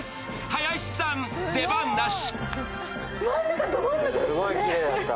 林さん、出番なし。